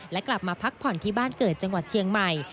และกลับมาพักผ่อนที่บ้านเกิดจังหวัดเชียงใหม่